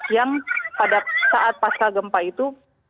yang pada saat pasca gempa itu